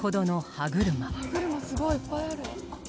歯車すごいいっぱいある。